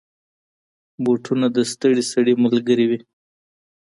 بوټونه د ستړي سړي ملګری وي.